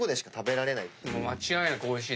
間違いなくおいしい。